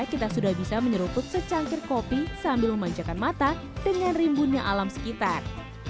kita sudah bisa menyeruput secangkir kopi sambil memanjakan mata dengan rimbunnya alam sekitar